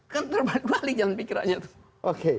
kan terbalik balik jangan pikirannya tuh